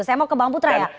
saya mau ke bang putra ya